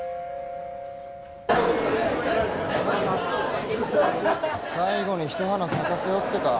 最後に一花咲かせようってか。